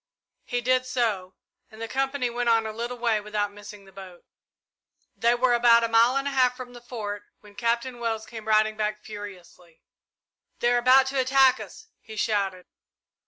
He did so, and the company went on a little way without missing the boat. They were about a mile and a half from the Fort when Captain Wells came riding back furiously. "They are about to attack us," he shouted.